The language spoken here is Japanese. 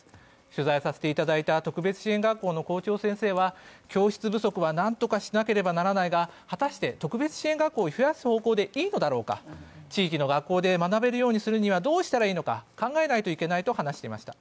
取材させていただいた特別支援学校の校長先生は教室不足は何とかしなければならないが、果たして特別支援学校を増やす方向でいいのだろうか、地域の学校で学べるようにするにはどうしたらいいのか考えないといけないと話していました。